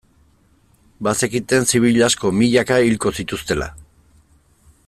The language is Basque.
Bazekiten zibil asko, milaka, hilko zituztela.